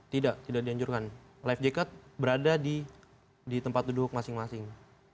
tidak tidak dianjurkan life jacket berada di tempat duduk masing masing